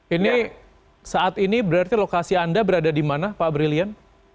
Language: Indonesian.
ini saat ini berarti lokasi anda berada di mana pak brilian